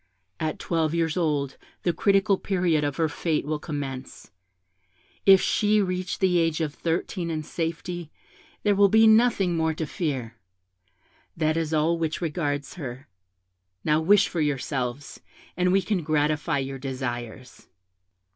At twelve years old the critical period of her fate will commence; if she reach the age of thirteen in safety, there will be nothing more to fear. That is all which regards her. Now wish for yourselves, and we can gratify your desires.'